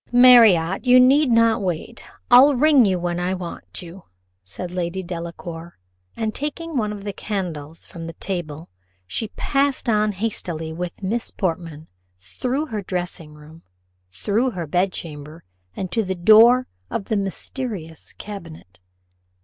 "Marriott, you need not wait; I'll ring when I want you," said Lady Delacour; and taking one of the candles from the table, she passed on hastily with Miss Portman through her dressing room, through her bedchamber, and to the door of the mysterious cabinet.